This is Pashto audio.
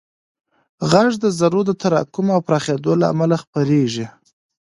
غږ د ذرّو د تراکم او پراخېدو له امله خپرېږي.